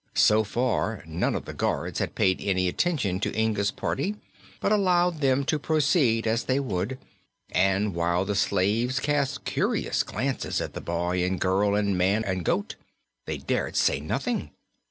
So far, none of the guards had paid any attention to Inga's party, but allowed them to proceed as they would, and while the slaves cast curious glances at the boy and girl and man and goat, they dared say nothing.